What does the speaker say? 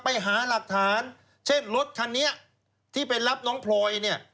ไปหาหลักฐานเช่นรถคันนี้ที่ไปรับน้องพลอยเนี่ย